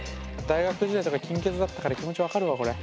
大学時代とか金欠だったから気持ち分かるわこれ。